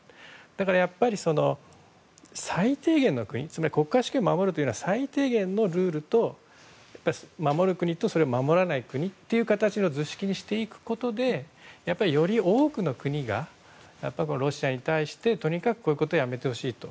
だからやっぱり最低限の国国家主権を守るための最低限のルールと守る国と守らない国という図式にしていくことでより多くの国がロシアに対してとにかく、こういうことをやめてほしいと。